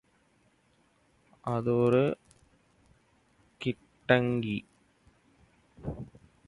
அது ஒரு கிட்டங்கி.